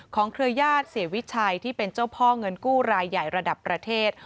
เครือญาติเสียวิชัยที่เป็นเจ้าพ่อเงินกู้รายใหญ่ระดับประเทศ